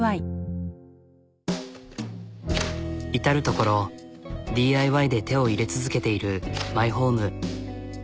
至る所ＤＩＹで手を入れ続けているマイホーム。